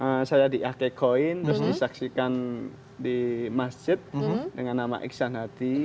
pas saya diakek koin terus disaksikan di masjid dengan nama iksan hadi